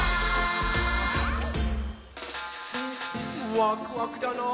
ワクワクだなぁ。